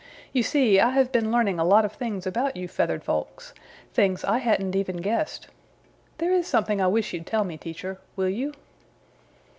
You see, I have been learning a lot of things about you feathered folks, things I hadn't even guessed. There is something I wish you'd tell me, Teacher; will you?"